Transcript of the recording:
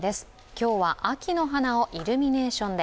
今日は、秋の花をイルミネーションで。